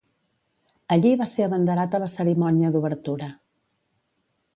Allí va ser abanderat a la cerimònia d'obertura.